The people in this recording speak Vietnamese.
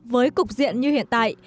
với cục diện như hiện tại